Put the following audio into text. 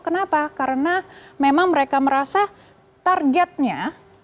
kenapa karena memang mereka merasa targetnya